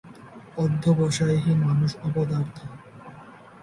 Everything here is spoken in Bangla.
অধ্যবসায়হীন মানুষ অপদার্থ।